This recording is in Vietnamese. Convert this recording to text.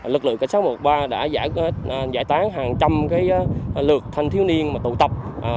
lực lượng cảnh sát sáu trăm một mươi ba đã giải tán hàng trăm lượt thanh thiếu niên tụ tập